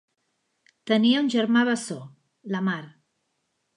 Tenia un germà bessó, Lamar.